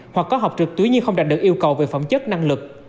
hoặc có học trực tuyến nhưng không đạt được yêu cầu về phẩm chất năng lực